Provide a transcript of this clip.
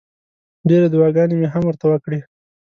ډېرې دوعاګانې مې هم ورته وکړې.